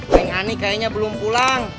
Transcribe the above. lain lain kayaknya belum pulang